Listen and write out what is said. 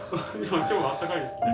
今日はあったかいですね。